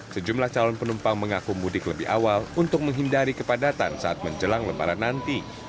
sejumlah calon penumpang mengaku mudik lebih awal untuk menghindari kepadatan saat menjelang lebaran nanti